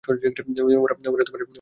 ওরা এটা বিশ্বাস করেছে।